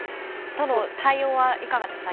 対応はいかがでしたか。